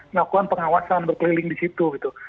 melakukan pengawasan berkeliling di situ gitu